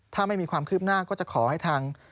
ถ้าไม่มีความคืบหน้าก็จะขอให้ทาง